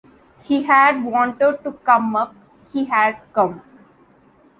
He had wanted to come up, he had come.